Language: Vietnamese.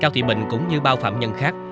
cao thị bình cũng như bao phạm nhân khác